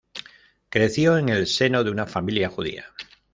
Creció en el seno de una familia judía.